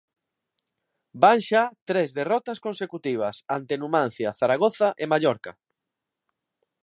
Van xa tres derrotas consecutivas, ante Numancia, Zaragoza e Mallorca.